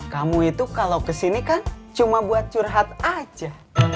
kamu itu kalau kesini kan cuma buat curhat aja